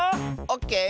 オッケー！